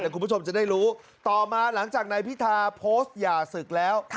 คุณผู้ชมจะได้รู้ต่อมาหลังจากนายพิธาโพสต์หย่าศึกแล้ว